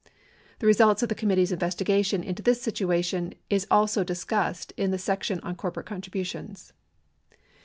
The results of the committee's investigation into this situation is also discussed in the section on cor porate contributions.